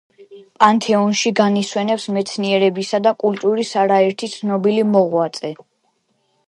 პანთეონში განისვენებს მეცნიერებისა და კულტურის არაერთი ცნობილი მოღვაწე.